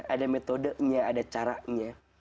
ada metodenya ada caranya